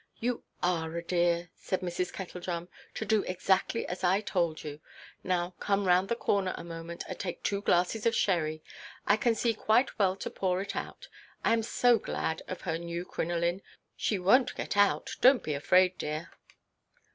"You are a dear," said Mrs. Kettledrum, "to do exactly as I told you. Now come round the corner a moment, and take two glasses of sherry; I can see quite well to pour it out. I am so glad of her new crinoline. She wonʼt get out. Donʼt be afraid, dear."